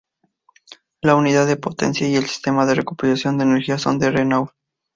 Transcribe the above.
La unidad de potencia y el sistema de recuperación de energía son de Renault.